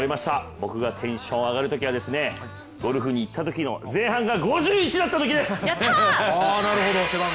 僕がテンション上がるときは、ゴルフに行ったときの前半が５１だったときです！